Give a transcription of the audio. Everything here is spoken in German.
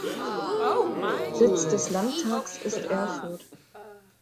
Sitz des Landtags ist Erfurt.